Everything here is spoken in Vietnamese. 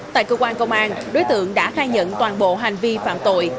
tại cơ quan công an đối tượng đã khai nhận toàn bộ hành vi phạm tội